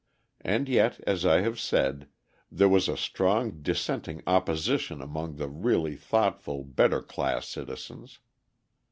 And yet, as I have said, there was a strong dissenting opposition among the really thoughtful, better class citizens.